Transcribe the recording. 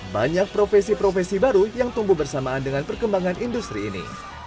banyak profesi profesi baru yang tumbuh bersamaan dengan perkembangan industri ini